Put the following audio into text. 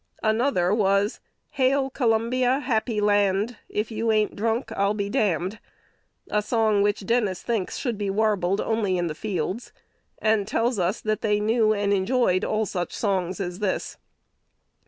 Another was, "Hail Columbia, happy land! If you ain't drunk, I'll be damned," a song which Dennis thinks should be warbled only in the "fields;" and tells us that they knew and enjoyed "all such [songs] as this."